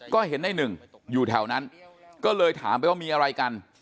ก็เห็นในหนึ่งอยู่แถวนั้นก็เลยถามไปว่ามีอะไรกัน